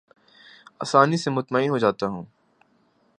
آسانی سے مطمئن ہو جاتا ہوں